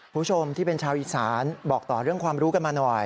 คุณผู้ชมที่เป็นชาวอีสานบอกต่อเรื่องความรู้กันมาหน่อย